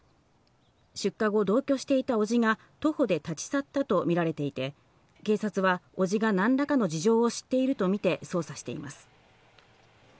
出火後、同居していた伯父が徒歩で立ち去ったとみられていて、警察は、伯父が何らかの事情を知っているとみて捜査しています。